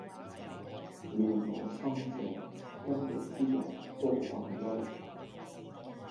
亂我心者，今日之日多煩憂！